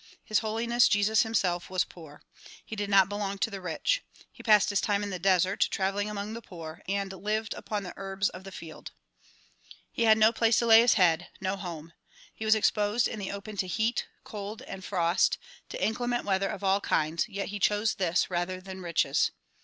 His Holiness Jesus himself was poor. He did not belong to the rich. He passed his time in the desert traveling among the poor, and lived upon the herbs of the field. He had no place to lay his head; no home. He was exposed in the open to heat, cold and frost ; to inclement weather of all kinds, yet he chose this rather than riches.